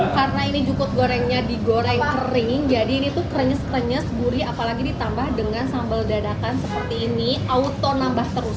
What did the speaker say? karena ini jukut gorengnya digoreng kering jadi ini tuh krenyes krenyes gurih apalagi ditambah dengan sambal dadakan seperti ini auto nambah terus